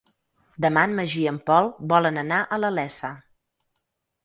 Demà en Magí i en Pol volen anar a la Iessa.